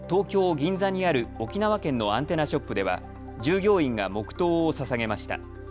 銀座にある沖縄県のアンテナショップでは従業員が黙とうをささげました。